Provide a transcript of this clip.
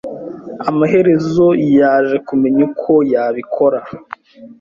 Amaherezo yaje kumenya uko yabikora.